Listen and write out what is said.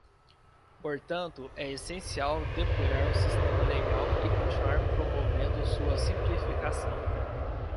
Portanto, é essencial depurar o sistema legal e continuar promovendo sua simplificação.